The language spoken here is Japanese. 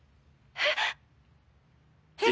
えっ！？